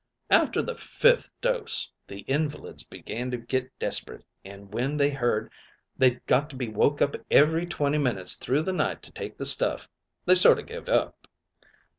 "After the fifth dose, the invalids began to get desperate, an' when they heard they'd got to be woke up every twenty minutes through the night to take the stuff, they sort o' give up.